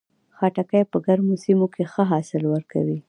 خټکی په ګرمو سیمو کې ښه حاصل ورکوي.